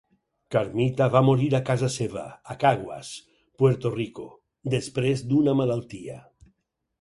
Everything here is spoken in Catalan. Carmita va morir a casa seva a Caguas, Puerto Rico, després d'una malaltia.